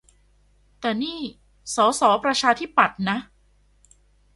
แต่นี่สสประชาธิปัตย์นะ